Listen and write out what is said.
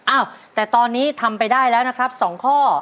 อ้าวแต่ตอนนี้ทำไปได้แล้วนะครับ๒ข้อ